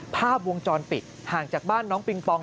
ภาพวงจรปิดห่างจากบ้านน้องปิงปอง